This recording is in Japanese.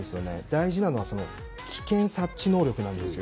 大事なのは危険察知能力です。